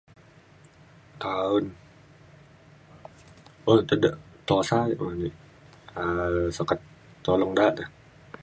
taun un te de tusa ni um sukat tulong da de